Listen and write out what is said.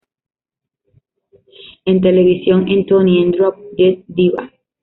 En televisión en "Tony" en Drop Dead Diva.